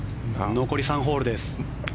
残り３ホールです。